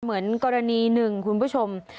เหมือนกรณีหนึ่งคุณผู้ชม